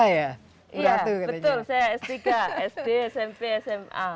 iya betul saya s tiga sd smp sma